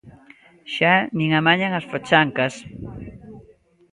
Xa nin amañan as fochancas.